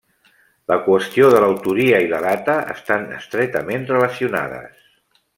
La qüestió de l'autoria i la data estan estretament relacionades.